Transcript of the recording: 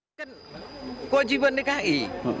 ini kan kewajiban dki